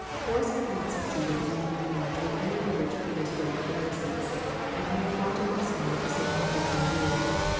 Boris had not succeeded in making a match with any of the rich Petersburg heiresses, and he had gone to Moscow with the same object in view.